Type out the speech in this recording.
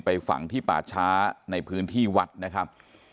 ฝังที่ป่าช้าในพื้นที่วัดนะครับ